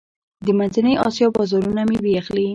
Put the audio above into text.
د منځنۍ اسیا بازارونه میوې اخلي.